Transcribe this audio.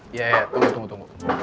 iya tunggu tunggu tunggu